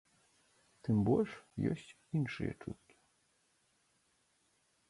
Тым больш, ёсць іншыя чуткі.